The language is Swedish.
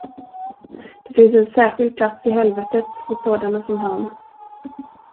Det finns en särskild plats i helvetet för sådana som han.